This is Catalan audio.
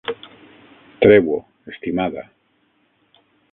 Treu-ho, estimada.